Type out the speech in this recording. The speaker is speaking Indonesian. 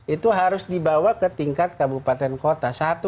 itu harus dibawa ke tingkat kabupaten kota